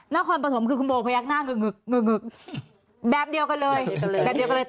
นครปฐมคือคุณโบงพยักดิ์หน้าเงิกแบบเดียวกันเลยแบบเดียวกันเลย